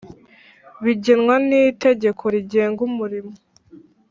Bigenwa n’itegeko rigenga umurimo